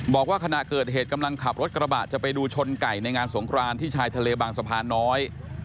บอกว่าขณะเกิดเหตุกำลังขับรถกระบะจะไปดูชนไก่ในงานสงครานที่ชายทะเลบางสะพานน้อย